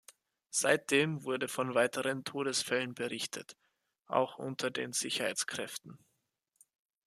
Seitdem wurde von weiteren Todesfällen berichtet, auch unter den Sicherheitskräften.